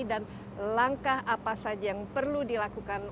dan langkah apa saja yang perlu dilakukan